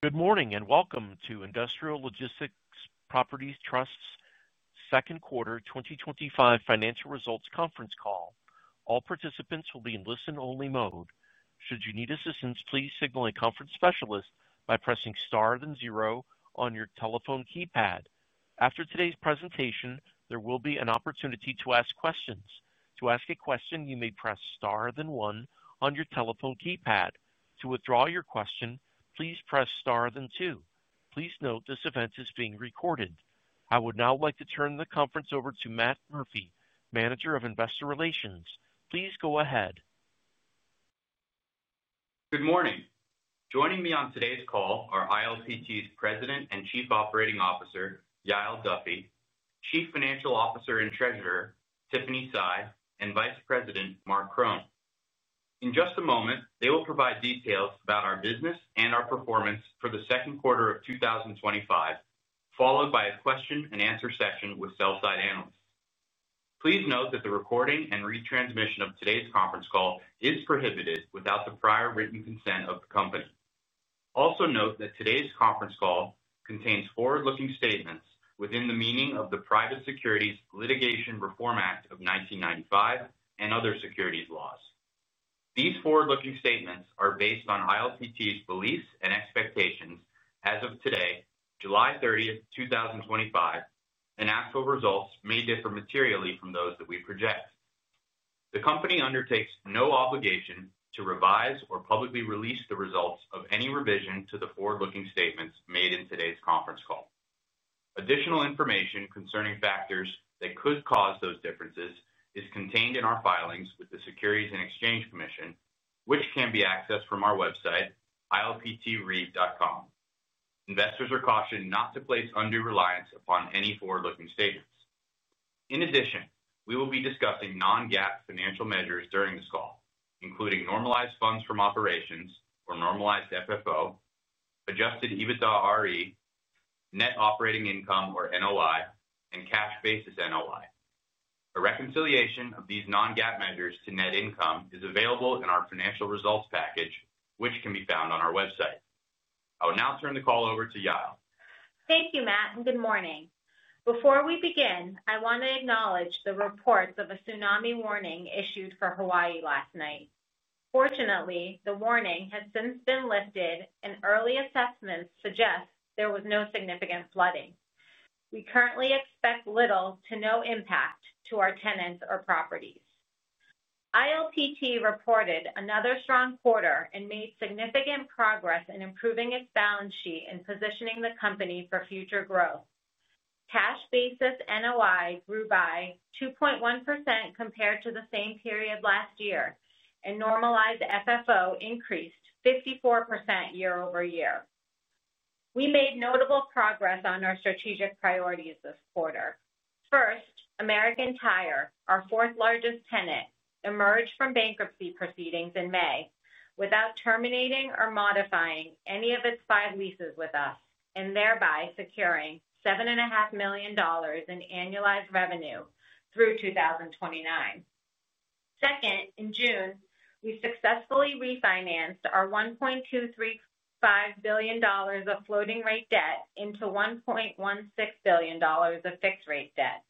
Good morning and welcome to Industrial Logistics Properties Trust's Second Quarter 2025 Financial Results Conference call. All participants will be in listen-only mode. Should you need assistance, please signal a conference specialist by pressing star then zero on your telephone keypad. After today's presentation, there will be an opportunity to ask questions. To ask a question, you may press star then one on your telephone keypad. To withdraw your question, please press star then two. Please note this event is being recorded. I would now like to turn the conference over to Matt Murphy, Manager of Investor Relations. Please go ahead. Good morning. Joining me on today's call are ILPT's President and Chief Operating Officer, Yael Duffy, Chief Financial Officer and Treasurer, Tiffany Sy, and Vice President, Marc Krohn. In just a moment, they will provide details about our business and our performance for the second quarter of 2025, followed by a question and answer session with sell-side analysts. Please note that the recording and retransmission of today's conference call is prohibited without the prior written consent of the company. Also note that today's conference call contains forward-looking statements within the meaning of the Private Securities Litigation Reform Act of 1995 and other securities laws. These forward-looking statements are based on ILPT's beliefs and expectations as of today, July 30, 2025, and actual results may differ materially from those that we project. The company undertakes no obligation to revise or publicly release the results of any revision to the forward-looking statements made in today's conference call. Additional information concerning factors that could cause those differences is contained in our filings with the Securities and Exchange Commission, which can be accessed from our website, ilptreit.com. Investors are cautioned not to place undue reliance upon any forward-looking statements. In addition, we will be discussing non-GAAP financial measures during this call, including normalized funds from operations, or normalized FFO, adjusted EBITDAre, net operating income, or NOI, and cash basis NOI. A reconciliation of these non-GAAP measures to net income is available in our financial results package, which can be found on our website. I will now turn the call over to Yael. Thank you, Matt, and good morning. Before we begin, I want to acknowledge the report of a tsunami warning issued for Hawaii last night. Fortunately, the warning has since been lifted, and early assessments suggest there was no significant flooding. We currently expect little to no impact to our tenants or properties. Industrial Logistics Properties Trust reported another strong quarter and made significant progress in improving its balance sheet and positioning the company for future growth. Cash basis NOI grew by 2.1% compared to the same period last year, and normalized FFO increased 54% year over year. We made notable progress on our strategic priorities this quarter. First, American Tire, our fourth largest tenant, emerged from bankruptcy proceedings in May without terminating or modifying any of its five leases with us, thereby securing $7.5 million in annualized revenue through 2029. Second, in June, we successfully refinanced our $1.235 billion of floating rate debt into $1.16 billion of fixed rate debt.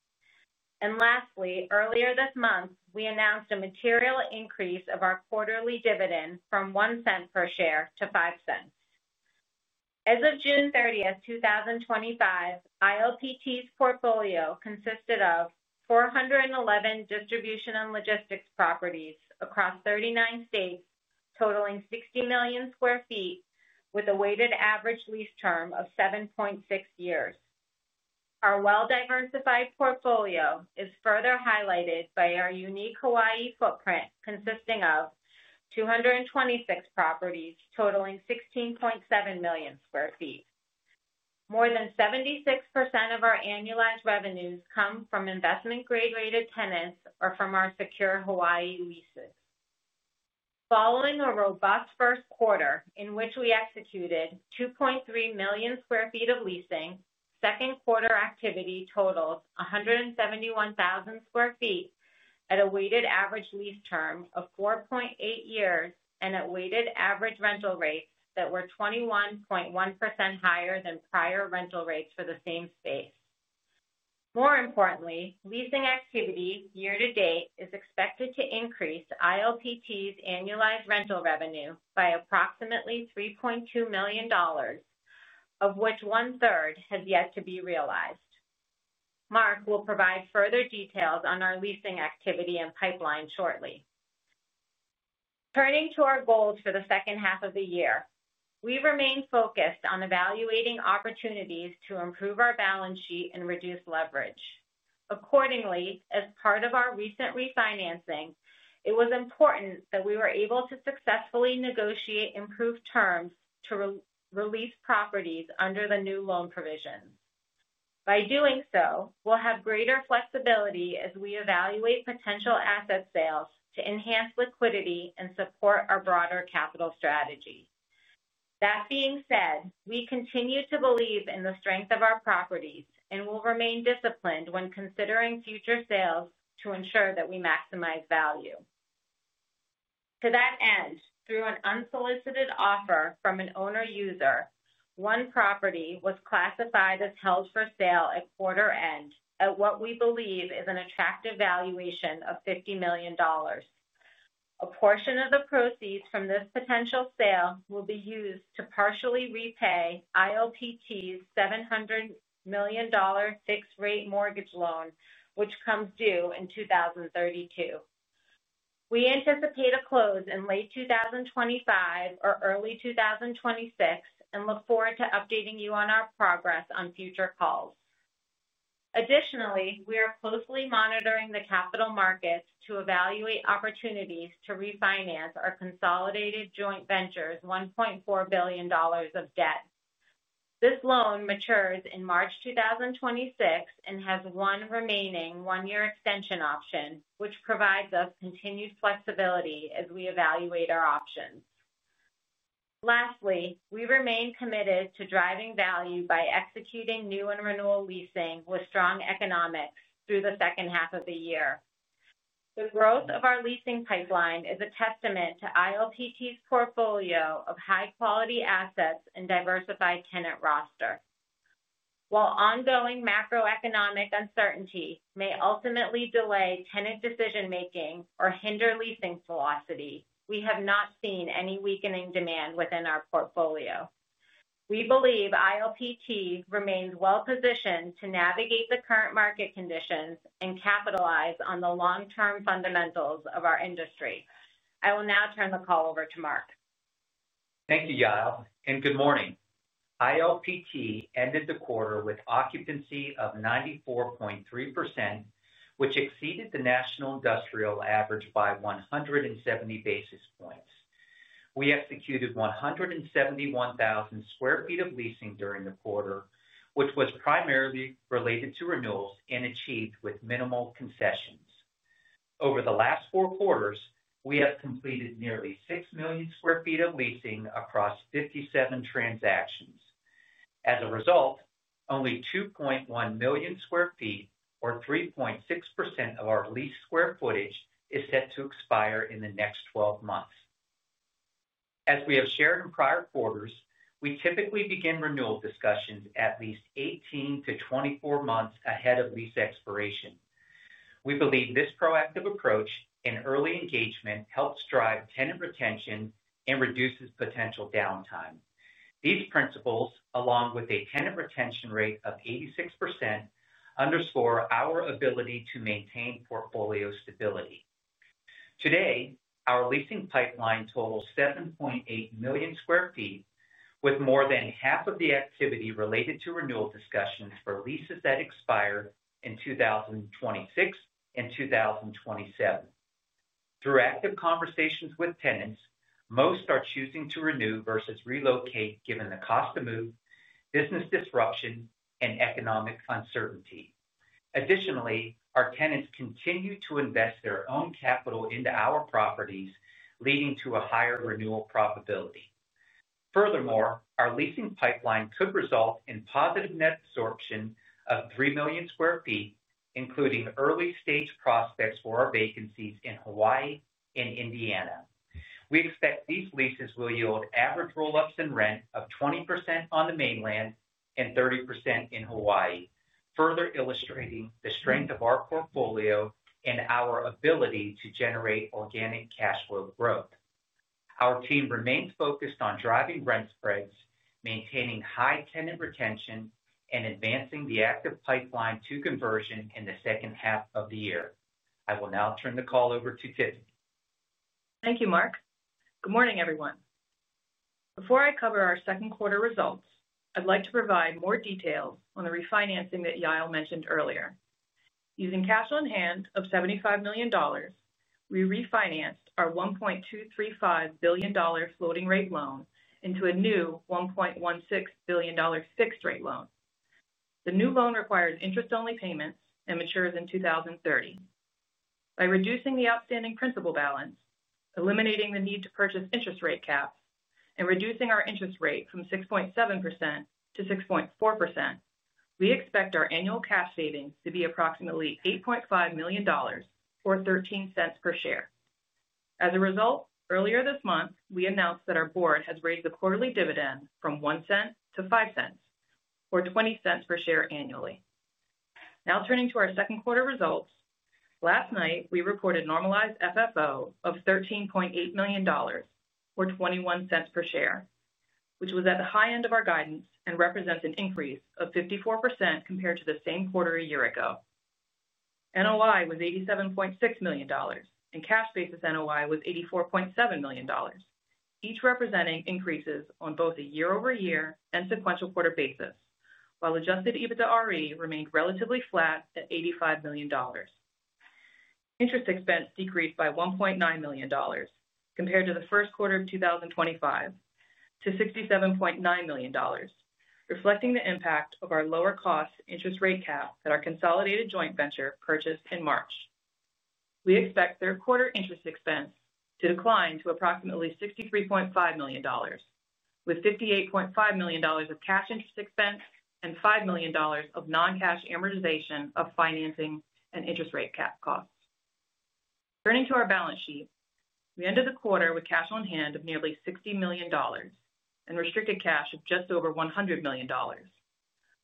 Lastly, earlier this month, we announced a material increase of our quarterly dividend from $0.01 per share to $0.05. As of June 30, 2025, Industrial Logistics Properties Trust's portfolio consisted of 411 distribution and logistics properties across 39 states, totaling 60 million sq ft, with a weighted average lease term of 7.6 years. Our well-diversified portfolio is further highlighted by our unique Hawaii footprint consisting of 226 properties totaling 16.7 million sq ft. More than 76% of our annualized revenues come from investment-grade rated tenants or from our secure Hawaii leases. Following a robust first quarter in which we executed 2.3 million sq ft of leasing, second quarter activity totals 171,000 sq ft at a weighted average lease term of 4.8 years and at weighted average rental rates that were 21.1% higher than prior rental rates for the same space. More importantly, leasing activity year to date is expected to increase Industrial Logistics Properties Trust's annualized rental revenue by approximately $3.2 million, of which one-third has yet to be realized. Marc will provide further details on our leasing activity and pipeline shortly. Turning to our goals for the second half of the year, we remain focused on evaluating opportunities to improve our balance sheet and reduce leverage. Accordingly, as part of our recent refinancing, it was important that we were able to successfully negotiate improved terms to release properties under the new loan provision. By doing so, we'll have greater flexibility as we evaluate potential asset sales to enhance liquidity and support our broader capital strategy. That being said, we continue to believe in the strength of our properties and will remain disciplined when considering future sales to ensure that we maximize value. To that end, through an unsolicited offer from an owner-user, one property was classified as held for sale at quarter end at what we believe is an attractive valuation of $50 million. A portion of the proceeds from this potential sale will be used to partially repay ILPT's $700 million fixed rate mortgage loan, which comes due in 2032. We anticipate a close in late 2025 or early 2026 and look forward to updating you on our progress on future calls. Additionally, we are closely monitoring the capital markets to evaluate opportunities to refinance our consolidated joint venture's $1.4 billion of debt. This loan matures in March 2026 and has one remaining one-year extension option, which provides us continued flexibility as we evaluate our options. Lastly, we remain committed to driving value by executing new and renewal leasing with strong economics through the second half of the year. The growth of our leasing pipeline is a testament to ILPT's portfolio of high-quality assets and diversified tenant roster. While ongoing macroeconomic uncertainty may ultimately delay tenant decision-making or hinder leasing velocity, we have not seen any weakening demand within our portfolio. We believe ILPT remains well-positioned to navigate the current market conditions and capitalize on the long-term fundamentals of our industry. I will now turn the call over to Marc. Thank you, Yael, and good morning. ILPT ended the quarter with occupancy of 94.3%, which exceeded the national industrial average by 170 basis points. We executed 171,000 sq ft of leasing during the quarter, which was primarily related to renewals and achieved with minimal concessions. Over the last four quarters, we have completed nearly 6 million sq ft of leasing across 57 transactions. As a result, only 2.1 million sq ft, or 3.6% of our leased square footage, is set to expire in the next 12 months. As we have shared in prior quarters, we typically begin renewal discussions at least 18 - 24 months ahead of lease expiration. We believe this proactive approach and early engagement helps drive tenant retention and reduces potential downtime. These principles, along with a tenant retention rate of 86%, underscore our ability to maintain portfolio stability. Today, our leasing pipeline totals 7.8 million sq ft, with more than half of the activity related to renewal discussions for leases that expire in 2026 and 2027. Through active conversations with tenants, most are choosing to renew versus relocate given the cost of move, business disruption, and economic uncertainty. Additionally, our tenants continue to invest their own capital into our properties, leading to a higher renewal probability. Furthermore, our leasing pipeline could result in positive net absorption of 3 million sq ft, including early-stage prospects for our vacancies in Hawaii and Indiana. We expect these leases will yield average roll-ups in rent of 20% on the mainland and 30% in Hawaii, further illustrating the strength of our portfolio and our ability to generate organic cash flow growth. Our team remains focused on driving rent spreads, maintaining high tenant retention, and advancing the active pipeline to conversion in the second half of the year. I will now turn the call over to Tiffany. Thank you, Marc. Good morning, everyone. Before I cover our second quarter results, I'd like to provide more details on the refinancing that Yael mentioned earlier. Using cash on hand of $75 million, we refinanced our $1.235 billion floating rate loan into a new $1.16 billion fixed rate loan. The new loan requires interest-only payments and matures in 2030. By reducing the outstanding principal balance, eliminating the need to purchase interest rate caps, and reducing our interest rate from 6.7% - 6.4%, we expect our annual cash savings to be approximately $8.5 million, or $0.13 per share. As a result, earlier this month, we announced that our board has raised the quarterly dividend from $0.01 to $0.05, or $0.20 per share annually. Now turning to our second quarter results, last night we reported normalized FFO of $13.8 million, or $0.21 per share, which was at the high end of our guidance and represents an increase of 54% compared to the same quarter a year ago. NOI was $87.6 million and cash basis NOI was $84.7 million, each representing increases on both a year-over-year and sequential quarter basis, while adjusted EBITDA-RE remained relatively flat at $85 million. Interest expense decreased by $1.9 million compared to the first quarter in 2025 to $67.9 million, reflecting the impact of our lower cost interest rate cap at our consolidated joint venture purchased in March. We expect third quarter interest expense to decline to approximately $63.5 million, with $58.5 million of cash interest expense and $5 million of non-cash amortization of financing and interest rate cap costs. Turning to our balance sheet, we ended the quarter with cash on hand of nearly $60 million and restricted cash of just over $100 million.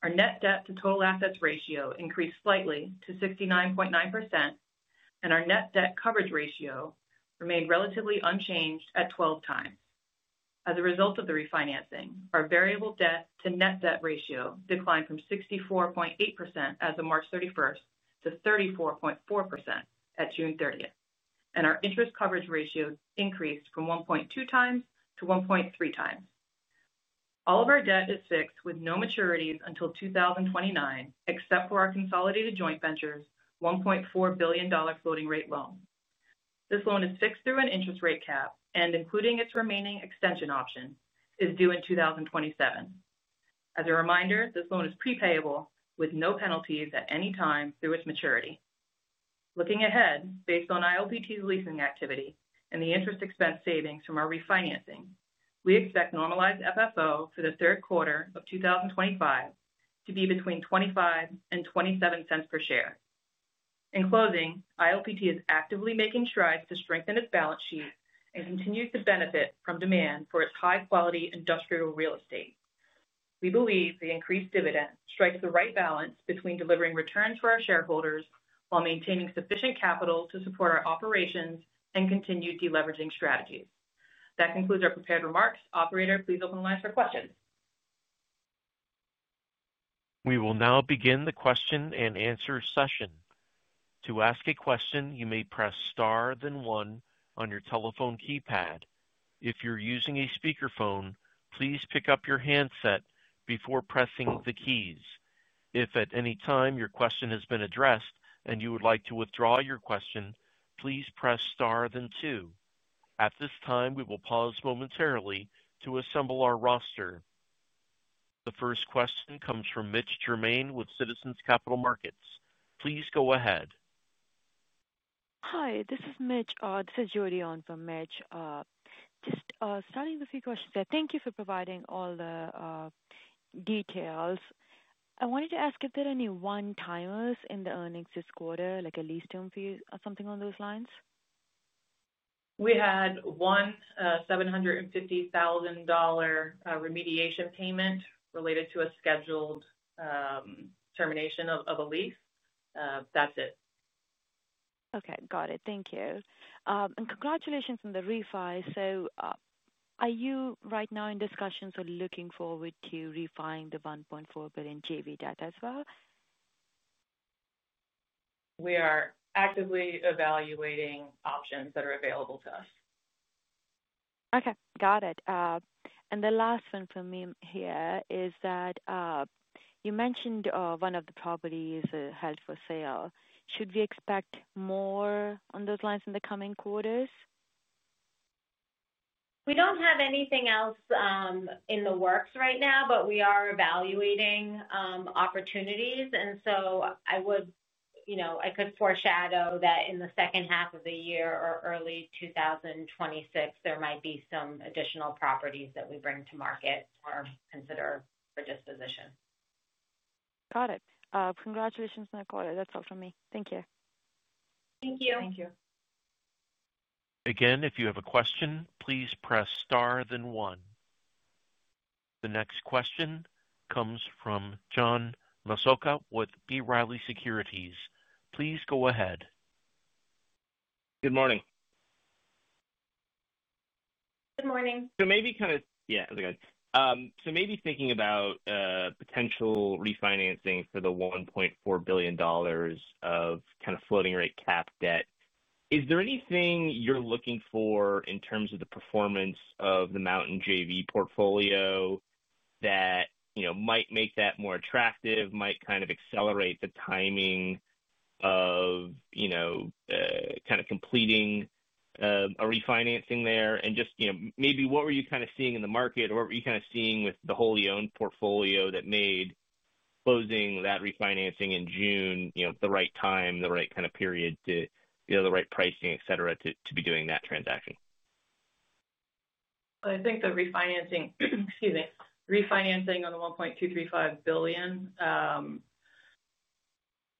Our net debt to total assets ratio increased slightly to 69.9%, and our net debt coverage ratio remained relatively unchanged at 12 times. As a result of the refinancing, our variable debt to net debt ratio declined from 64.8% as of March 31st to 34.4% at June 30th, and our interest coverage ratio increased from 1.2 times - 1.3 times. All of our debt is fixed with no maturities until 2029, except for our consolidated joint venture's $1.4 billion floating rate loan. This loan is fixed through an interest rate cap and, including its remaining extension option, is due in 2027. As a reminder, this loan is prepayable with no penalties at any time through its maturity. Looking ahead, based on ILPT's leasing activity and the interest expense savings from our refinancing, we expect normalized FFO for the third quarter of 2025 to be between $0.25 and $0.27 per share. In closing, ILPT is actively making strides to strengthen its balance sheet and continues to benefit from demand for its high-quality industrial real estate. We believe the increased dividend strikes the right balance between delivering returns for our shareholders while maintaining sufficient capital to support our operations and continued deleveraging strategies. That concludes our prepared remarks. Operator, please open the lines for questions. We will now begin the question and answer session. To ask a question, you may press star then one on your telephone keypad. If you're using a speakerphone, please pick up your handset before pressing the keys. If at any time your question has been addressed and you would like to withdraw your question, please press star then two. At this time, we will pause momentarily to assemble our roster. The first question comes from Mitchell Germain with Citizens Capital Markets. Please go ahead. Hi, this is Mitch. This is Jodi on for Mitch. Just starting with a few questions. Thank you for providing all the details. I wanted to ask if there are any one-timers in the earnings this quarter, like a lease term fee or something on those lines? We had one $750,000 remediation payment related to a scheduled termination of a lease. That's it. Okay. Got it. Thank you. Congratulations on the refi. Are you right now in discussions or looking forward to refining the $1.4 billion JV debt as well? We are actively evaluating options that are available to us. Okay. Got it. The last one for me here is that you mentioned one of the properties held for sale. Should we expect more on those lines in the coming quarters? We don't have anything else in the works right now, but we are evaluating opportunities. I could foreshadow that in the second half of the year or early 2026, there might be some additional properties that we bring to market or consider for disposition. Got it. Congratulations on the quarter. That's all for me. Thank you. Thank you. Thank you. Again, if you have a question, please press star then one. The next question comes from John Massocca with B. Riley Securities. Please go ahead. Good morning. Good morning. Maybe thinking about potential refinancing for the $1.4 billion of floating rate cap debt, is there anything you're looking for in terms of the performance of the Mountain JV portfolio that might make that more attractive, might accelerate the timing of completing a refinancing there? Just maybe what were you seeing in the market or what were you seeing with the wholly owned portfolio that made closing that refinancing in June the right time, the right period, the right pricing, et cetera, to be doing that transaction? I think the refinancing on the $1.235 billion,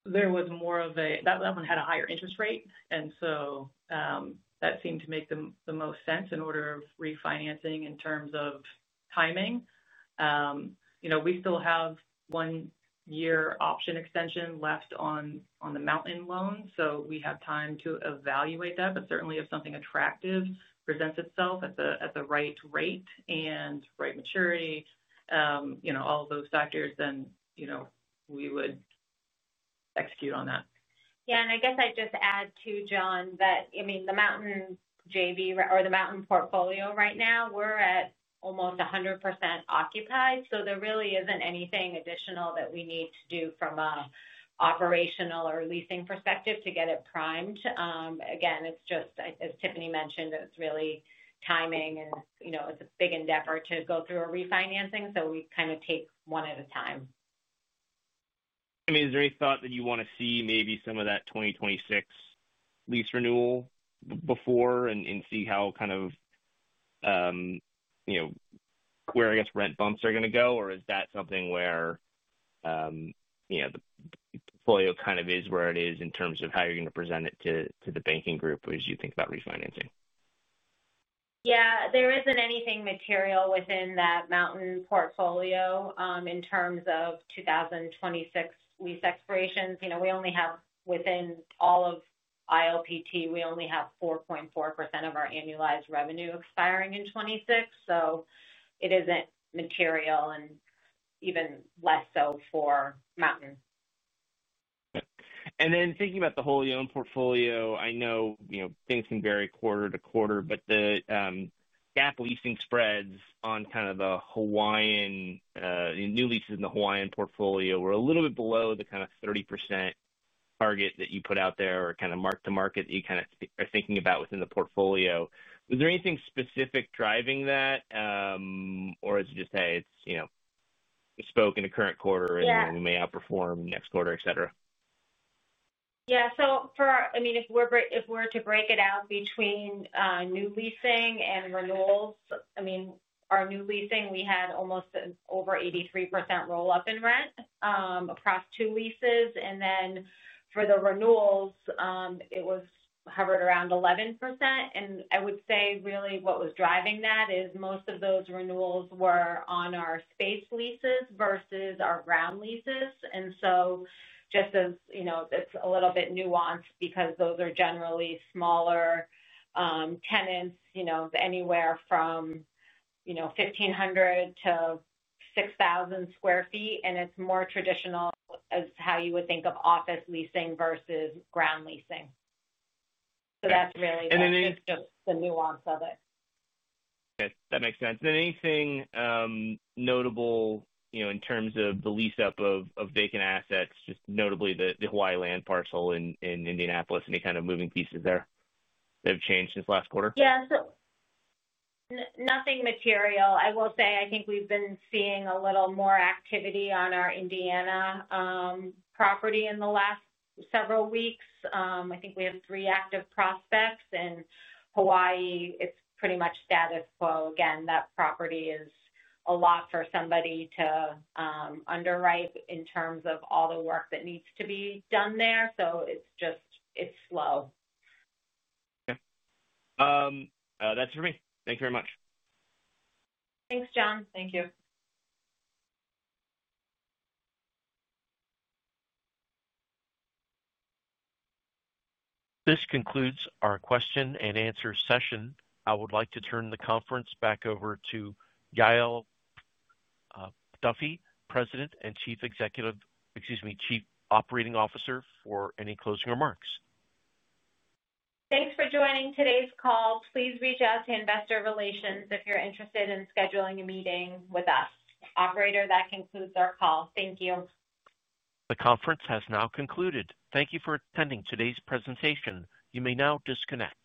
there was more of a, that one had a higher interest rate. That seemed to make the most sense in order of refinancing in terms of timing. We still have one-year option extension left on the Mountain loan, so we have time to evaluate that. Certainly, if something attractive presents itself at the right rate and right maturity, all of those factors, then we would execute on that. Yeah. I guess I'd just add too, John, that, I mean, the Mountain JV or the Mountain portfolio right now, we're at almost 100% occupied. There really isn't anything additional that we need to do from an operational or leasing perspective to get it primed. Again, as Tiffany mentioned, it's really timing and, you know, it's a big endeavor to go through a refinancing. We kind of take one at a time. Is there any thought that you want to see maybe some of that 2026 lease renewal before and see how, kind of, you know, where, I guess, rent bumps are going to go? Or is that something where, you know, the portfolio kind of is where it is in terms of how you're going to present it to the banking group as you think about refinancing? Yeah. There isn't anything material within that Mountain portfolio in terms of 2026 lease expirations. You know, we only have, within all of Industrial Logistics Properties Trust, we only have 4.4% of our annualized revenue expiring in 2026. It isn't material and even less so for Mountain. Thinking about the wholly owned portfolio, I know things can vary quarter to quarter, but the GAAP leasing spreads on the Hawaiian new leases in the Hawaiian portfolio were a little bit below the 30% target that you put out there or kind of mark-to-market that you are thinking about within the portfolio. Was there anything specific driving that? Or is it just, say, it's bespoke in the current quarter and then we may outperform next quarter, et cetera? Yeah. For, I mean, if we're to break it out between new leasing and renewals, our new leasing, we had almost over 83% roll-up in rent across two leases. For the renewals, it hovered around 11%. I would say really what was driving that is most of those renewals were on our space leases versus our ground leases. Just as you know, it's a little bit nuanced because those are generally smaller tenants, anywhere from 1,300- 6,000 sq ft. It's more traditional as how you would think of office leasing versus ground leasing. That's really, I think, just the nuance of it. Okay. That makes sense. Anything notable, you know, in terms of the lease-up of vacant assets, just notably the Hawaii land parcel in Indianapolis? Any kind of moving pieces there that have changed since last quarter? Yeah. Nothing material. I will say I think we've been seeing a little more activity on our Indiana property in the last several weeks. I think we have three active prospects in Hawaii. It's pretty much status quo. That property is a lot for somebody to underwrite in terms of all the work that needs to be done there. It's just slow. Okay, that's it for me. Thank you very much. Thanks, John. Thank you. This concludes our question and answer session. I would like to turn the conference back over to Yael Duffy, President and Chief Operating Officer, for any closing remarks. Thanks for joining today's call. Please reach out to Investor Relations if you're interested in scheduling a meeting with us. Operator, that concludes our call. Thank you. The conference has now concluded. Thank you for attending today's presentation. You may now disconnect.